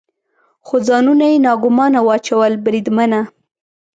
خو ځانونه یې ناګومانه واچول، بریدمنه.